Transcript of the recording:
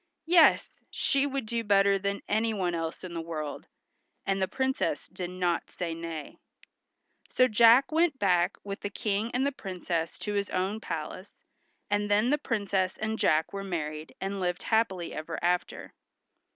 "Yes, she would do better than anyone else in the world." And the Princess did not say nay. So Jack went back with the King and the Princess to his own palace, and then the Princess and Jack were married, and lived happily ever after.